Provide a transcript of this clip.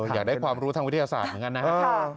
อยากได้ความรู้ทางวิทยาศาสตร์เหมือนกันนะครับ